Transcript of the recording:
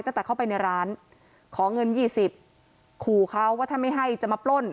ตั้งแต่เข้าไปในร้านขอเงิน๒๐ขู่เขาว่าถ้าไม่ให้จะมาปล้น